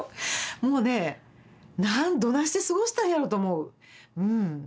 もうねどないして過ごしたんやろうと思ううん。